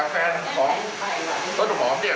แฟนสุดหอมเนี่ย